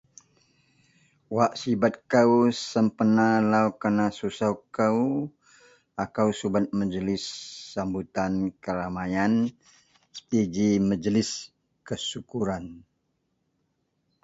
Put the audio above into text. Wak sibet kou sempena lau kenasusou kou, akou subet majlis sambutan keramaian seperti ji majlis kesukuran.